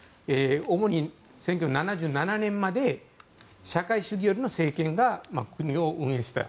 主に１９７７年まで社会主義寄りの政権が国を運営していた。